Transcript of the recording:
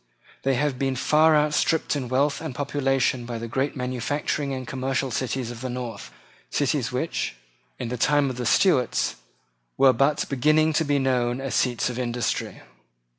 They have been far outstripped in wealth and population by the great manufacturing and commercial cities of the north, cities which, in the time of the Stuarts, were but beginning to be known as seats of industry.